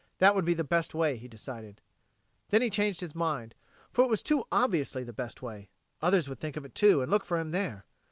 That would be the best way, he decided. Then he changed his mind, for it was too obviously the best way others would think of it too, and look for him there.